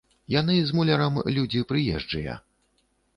Яны з мулярам людзі прыезджыя.